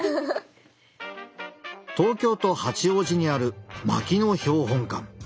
東京都八王子にある牧野標本館。